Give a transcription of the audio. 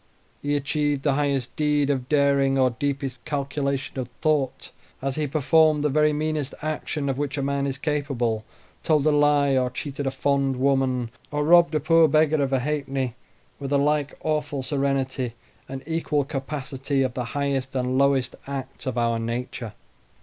He achieved the highest deed of daring, or deepest calculation of thought, as he performed the very meanest action of which a man is capable; told a lie, or cheated a fond woman, or robbed a poor beggar of a halfpenny, with a like awful serenity and equal capacity of the highest and lowest acts of our nature.